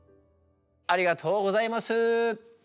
ありがとうございます。